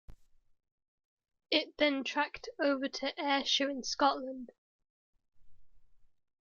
It then tracked over to Ayrshire in Scotland.